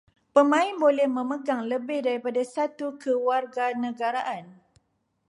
Pemain boleh memegang lebih daripada satu kewarganegaraan